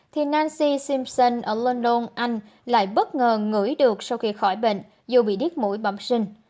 thì nancy simpson ở london anh lại bất ngờ ngửi được sau khi khỏi bệnh dù bị điếc mũi bầm sinh